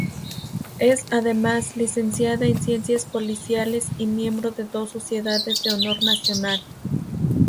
Es además, licenciada en Ciencias Policiales y miembro de dos sociedades de honor nacional.